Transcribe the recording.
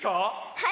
はい。